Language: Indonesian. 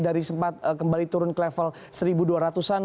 dari sempat kembali turun ke level satu dua ratus an